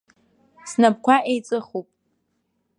Снапқәа еиҵыхуп.